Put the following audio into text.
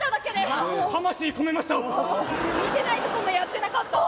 見てないとこもやってなかった？